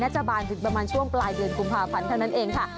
จะบานถึงประมาณช่วงปลายเดือนกุมภาพันธ์เท่านั้นเองค่ะ